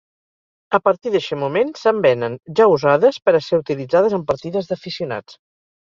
A partir d'eixe moment, se'n venen, ja usades, per a ser utilitzades en partides d'aficionats.